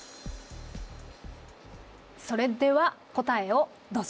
それでは答えをどうぞ。